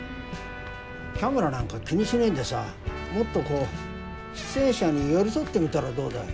キャメラなんか気にしねえでさもっとこう出演者に寄り添ってみたらどうだい？